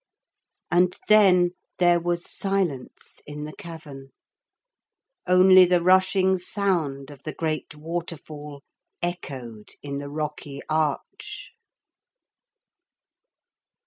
And then there was silence in the cavern only the rushing sound of the great waterfall echoed in the rocky arch.